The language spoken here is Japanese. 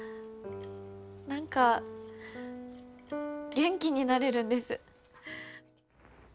何か元気になれるんです。